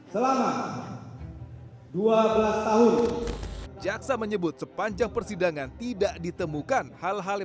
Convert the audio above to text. selama dua belas tahun jaksa menyebut sepanjang persidangan tidak ditemukan hal hal yang